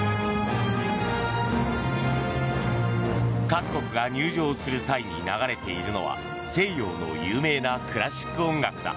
各国が入場する際に流れているのは西洋の有名なクラシック音楽だ。